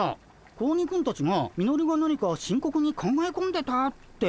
子鬼くんたちがミノルが何か深刻に考え込んでたって言ってたけど？